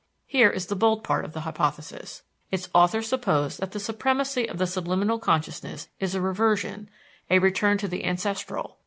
Here is the bold part of the hypothesis: Its authors suppose that the supremacy of the subliminal consciousness is a reversion, a return to the ancestral.